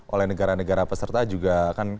oleh negara negara peserta juga kan